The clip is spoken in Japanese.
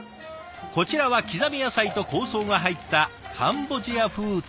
こちらは刻み野菜と香草が入ったカンボジア風卵焼き。